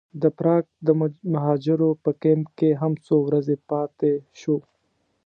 د پراګ د مهاجرو په کمپ کې هم څو ورځې پاتې شوو.